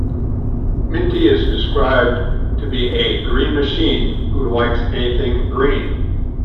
Minty is described to be a green machine, who likes anything green.